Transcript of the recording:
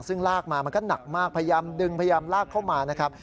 ซึ่งลากมามันก็หนักมากพยายามดึงพยายามลากเข้ามานะครับ